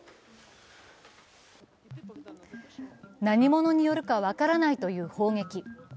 何者によるか分からないという砲撃。